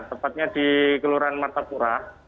tepatnya di kelurahan martapura